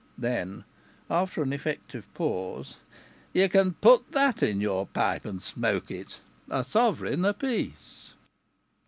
Then, after an effective pause: "Ye can put that in your pipe and smoke it!... A sovereign apiece!"